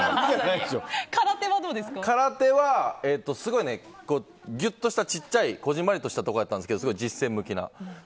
空手はすごいギュっとしたこぢんまりとしたところだったんですけどすごい実戦向きな。